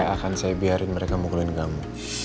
akan saya biarin mereka mukulin kamu